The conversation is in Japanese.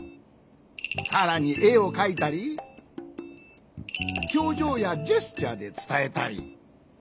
さらにえをかいたりひょうじょうやジェスチャーでつたえたり。